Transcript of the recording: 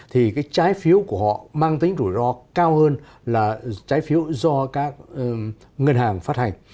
thì cái trái phiếu của họ mang tính rủi ro cao hơn là trái phiếu do các ngân hàng phát hành